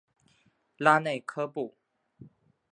拉内科布。